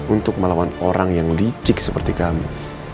untuk melawan orang yang licik seperti kami